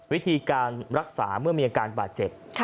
วิธีการรักษาเมื่อมีอาการบาดเจ็บ